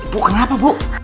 bu kenapa bu